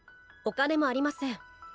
お金もありません。